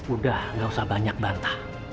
udah gak usah banyak bantah